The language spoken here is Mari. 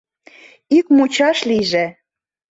Ик мучаш лийже!..